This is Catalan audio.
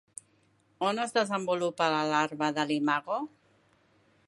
On es desenvolupa la larva de l'imago?